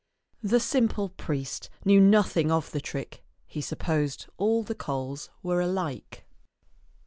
The simple priest knew nothing of the trick; he supposed all the coals were alike.